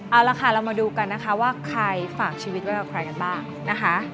เอาละค่ะเรามาดูกันนะคะว่าใครฝากชีวิตไว้กับใครกันบ้างนะคะ